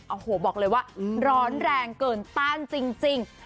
โอ้โหบอกเลยว่าร้อนแรงเกินต้านจริง